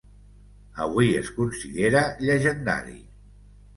Avui es considera llegendari.